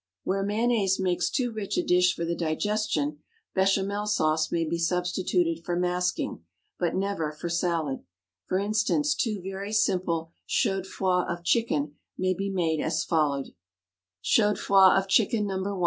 Where mayonnaise makes too rich a dish for the digestion, béchamel sauce may be substituted for masking, but never for salad; for instance, two very simple chaudfroids of chicken may be made as follows: Chaudfroid of Chicken, No.